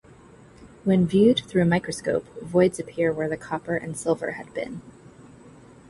When viewed through a microscope voids appear where the copper and silver had been.